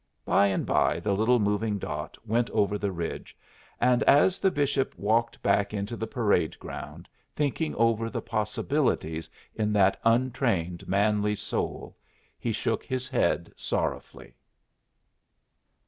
By and by the little moving dot went over the ridge. And as the bishop walked back into the parade ground, thinking over the possibilities in that untrained manly soul, he shook his head sorrowfully.